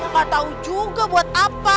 gak tahu juga buat apa